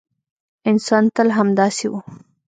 انسان تل همداسې و.